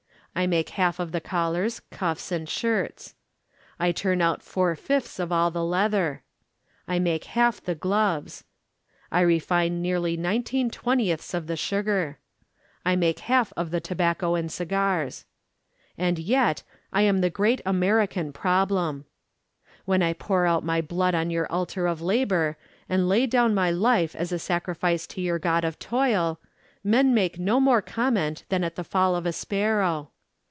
I make half of the collars, cuffs, and shirts. I turn out four fifths of all the leather. I make half the gloves. I refine nearly nineteen twentieths of the sugar. I make half of the tobacco and cigars. And yet, I am the great American problem. When I pour out my blood on your altar of labour, and lay down my life as a sacrifice to your god of toil, men make no more comment than at the fall of a sparrow.